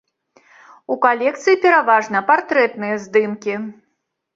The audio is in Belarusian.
У калекцыі пераважна партрэтныя здымкі.